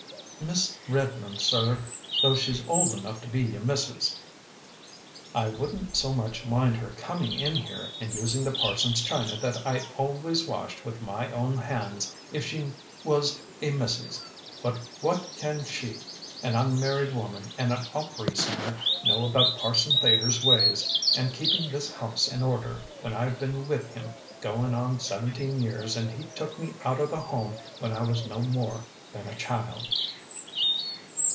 "Miss Redmond, sir, though she's old enough to be a Mrs. I wouldn't so much mind her coming in here and using the parson's china that I always washed with my own hands if she was a Mrs. But what can she, an unmarried woman and an opery singer, know about Parson Thayer's ways and keeping this house in order, when I've been with him going on seventeen years and he took me outer the Home when I was no more than a child?"